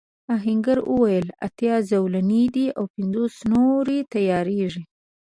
آهنګر وویل اتيا زولنې دي او پنځوس نورې تياریږي.